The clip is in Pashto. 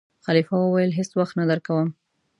خلیفه وویل: هېڅ وخت نه درکووم.